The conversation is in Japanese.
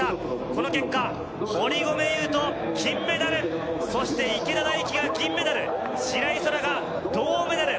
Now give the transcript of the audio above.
この結果、堀米雄斗が金メダル、そして池田大暉が銀メダル、白井空良が銅メダル。